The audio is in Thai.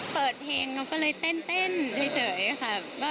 เปิดเพลงหนูก็เลยเต้นเฉยค่ะ